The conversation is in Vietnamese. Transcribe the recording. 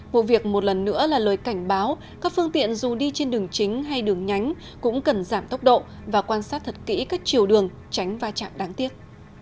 vụ việc một lần nữa là lời cảnh báo các phương tiện dù đi trên đường chính hay đường nhánh cũng cần giảm tốc độ và quan sát thật kỹ các chiều đường tránh va chạm đáng tiếc